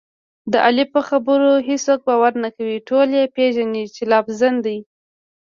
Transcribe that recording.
د علي په خبرو هېڅوک باور نه کوي، ټول یې پېژني چې لافزن دی.